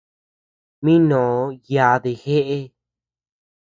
Mí noʼö yadii jeʼe.